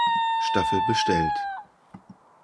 Staffel bestellt.